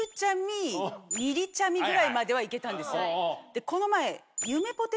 でこの前。